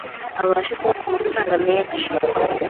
abashe kubona amafaranga menshi